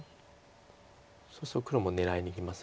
そうすると黒も狙いにいきます